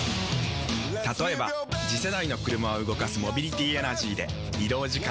例えば次世代の車を動かすモビリティエナジーでまジカ⁉人間！